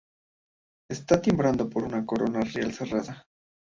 Está timbrado por una corona real cerrada.